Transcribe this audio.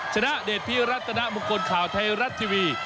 ชนะเดชพิรัตนมงคลข่าวไทยรัฐทีวี